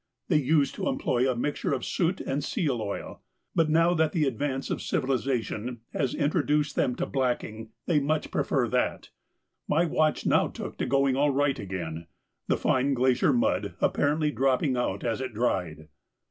They used to employ a mixture of soot and seal oil, but now that the advance of civilisation has introduced them to blacking, they much prefer that. My watch now took to going all right again, the fine glacier mud apparently dropping out as it dried.